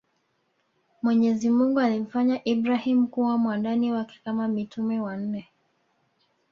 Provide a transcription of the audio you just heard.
Mwenyezimungu alimfanya Ibrahim kuwa mwandani wake Kama mitume wanne